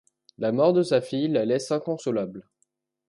La mort de sa fille la laisse inconsolobale.